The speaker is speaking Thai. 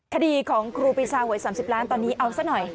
คดีของครูปีชาหวย๓๐ล้านตอนนี้เอาซะหน่อย